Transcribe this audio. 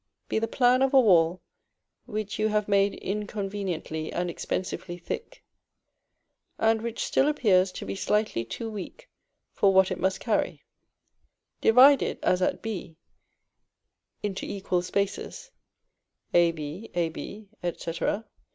be the plan of a wall which you have made inconveniently and expensively thick, and which still appears to be slightly too weak for what it must carry: divide it, as at B, into equal spaces, a, b, a, b, &c.